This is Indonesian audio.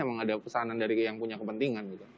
tapi memang ada pesanan dari yang punya kepentingan gitu